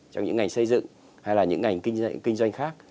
trong những ngành xây dựng hay là những ngành kinh doanh khác